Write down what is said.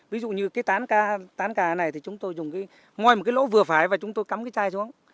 ví dụ như cái tán cà này thì chúng tôi dùng ngôi một cái lỗ vừa phải và chúng tôi cắm cái chai xuống